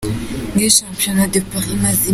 Ng'iyi 'Champignon de Paris' iyo imaze kumera.